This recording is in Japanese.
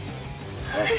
はい。